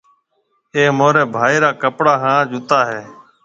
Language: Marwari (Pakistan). اَي مهارَي ڀائِي را ڪپڙا هانَ جُتا هيَ۔